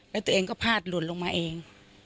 แล้วตัวเองก็พาดหล่นลงมาเอง